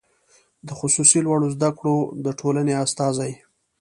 د خصوصي لوړو زده کړو د ټولنې استازی